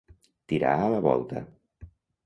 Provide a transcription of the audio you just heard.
Tirar a la volta.